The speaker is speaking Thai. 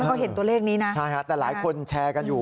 ก็เห็นตัวเลขนี้นะใช่ฮะแต่หลายคนแชร์กันอยู่